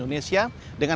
dia memberi saya pertanyaan